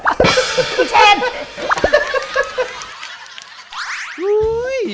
พี่เชน